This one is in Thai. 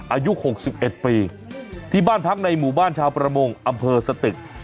อายุ๖๑ปีที่บ้านพักในหมู่บ้านชาวประมงอำเภอสตึก